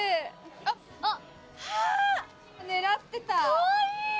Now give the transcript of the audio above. かわいい！